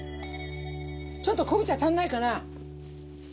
ちょっとこんぶ茶足りないかな？